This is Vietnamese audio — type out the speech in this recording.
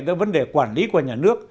với vấn đề quản lý của nhà nước